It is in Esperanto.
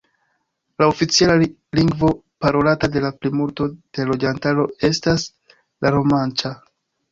La oficiala lingvo parolata de la plimulto de loĝantaro estas la romanĉa.